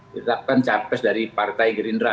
ditetapkan capres dari partai gerindra